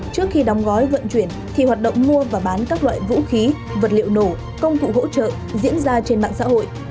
trước khi đóng gói vận chuyển thì hoạt động mua và bán các loại vũ khí vật liệu nổ công cụ hỗ trợ diễn ra trên mạng xã hội